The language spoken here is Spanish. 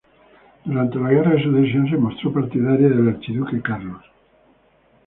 Durante la Guerra de Sucesión se mostró partidaria del Archiduque Carlos.